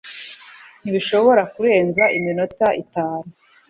Ntibishobora kurenza iminota itanu